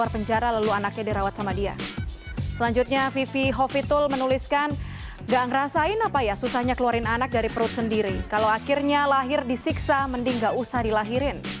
terima kasih banyak terima kasih